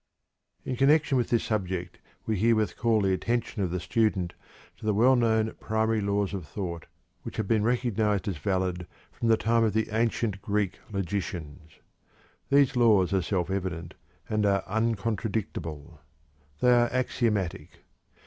In connection with this subject we herewith call the attention of the student to the well known Primary Laws of Thought which have been recognized as valid from the time of the ancient Greek logicians. These laws are self evident, and are uncontradictable. They are axiomatic.